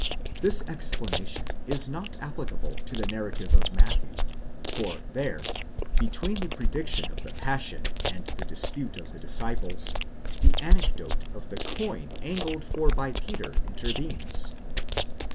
This explanation is not applicable to the narrative of Matthew, for there, between the prediction of the passion and the dispute of the disciples, the anecdote of the coin angled for by Peter, intervenes.